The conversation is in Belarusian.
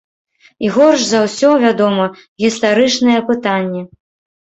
І горш за ўсё, вядома, гістарычныя пытанні.